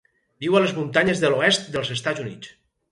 Viu a les muntanyes de l'oest dels Estats Units.